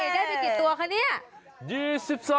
ได้ไปกี่ตัวคะเนี่ย